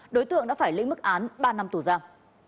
đối tượng đã phải lĩnh mức án ba năm tù giam